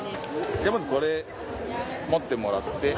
ではまずこれ持ってもらって。